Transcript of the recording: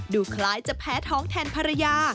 ดูคล้ายจะแพ้ท้องแทนภรรยา